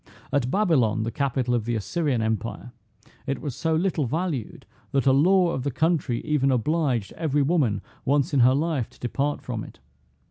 At Babylon, the capital of the Assyrian empire, it was so little valued, that a law of the country even obliged every woman once in her life to depart from it.